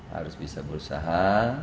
harus bisa berusaha